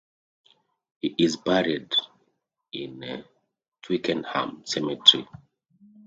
He is buried in Twickenham cemetery.